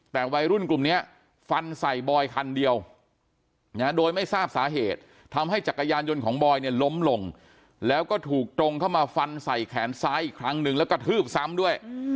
แต่วัยรุ่นกลุ่มนี้ฟันใส่บอยคันเดียวโดยไม่ทราบสาเหตุทำให้จักรยานยนต์ของบอยเนี่ยล้มลงแล้วก็ถูกตรงเข้ามาฟันใส่แขนซ้ายอีกครั้งนึงแล้วกระทืบซ้ำด้วย